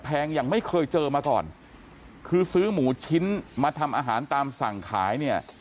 อย่างไม่เคยเจอมาก่อนคือซื้อหมูชิ้นมาทำอาหารตามสั่งขายเนี่ย